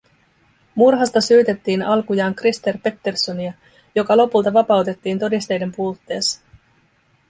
Murhasta syytettiin alkujaan Christer Petterssonia, joka lopulta vapautettiin todisteiden puutteessa